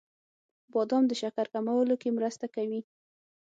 • بادام د شکر کمولو کې مرسته کوي.